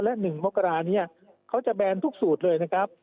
และ๑มกรานี้เขาจะแบนทุกสูตรเลยนะครับ